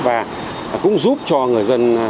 và cũng giúp cho người dân